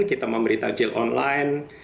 kita memberikan jam online